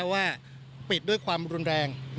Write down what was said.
ว่าปิดด้วยความรุนแรง